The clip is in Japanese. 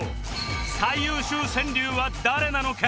最優秀川柳は誰なのか？